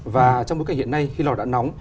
và trong bối cảnh hiện nay khi lào đã nóng